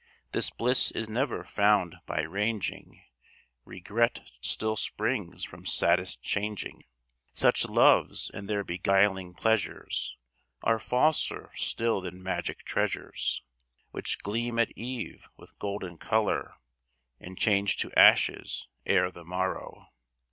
This bliss is never found by ranging; Regret still springs from saddest changing; Such loves, and their beguiling pleasures, Are falser still than magic treasures, Which gleam at eve with golden color, And change to ashes ere the morrow.